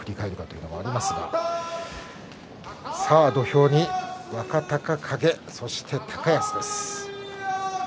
土俵に若隆景そして高安です。